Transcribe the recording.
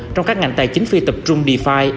trong các ngành tài chính phi tập trung defi